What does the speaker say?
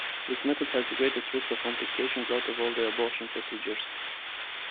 This method has the greatest risk of complications out of all the abortion procedures.